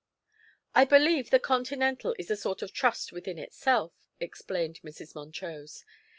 "I believe the Continental is a sort of trust within itself," explained Mrs. Montrose.